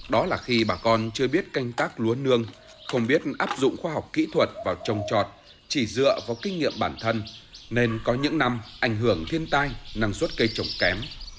đó là khi bà con chưa biết canh tác lúa nương không biết áp dụng khoa học kỹ thuật vào trồng trọt chỉ dựa vào kinh nghiệm bản thân nên có những năm ảnh hưởng thiên tai năng suất cây trồng kém